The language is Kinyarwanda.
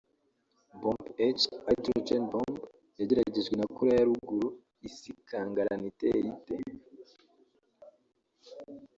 Bombe H /Hydrogen bomb yageragejwe na Koreya ya ruguru isi igakangarana iteye ite